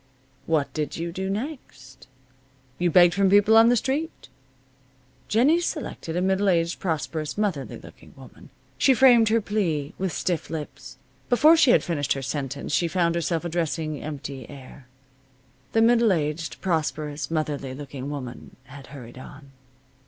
What did you do next? You begged from people on the street. Jennie selected a middle aged, prosperous, motherly looking woman. She framed her plea with stiff lips. Before she had finished her sentence she found herself addressing empty air. The middle aged, prosperous, motherly looking woman had hurried on.